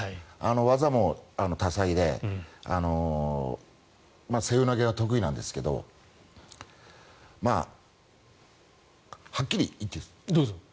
技も多彩で背負い投げが得意なんですけどはっきり言っていいですか。